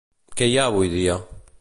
Què hi ha avui dia?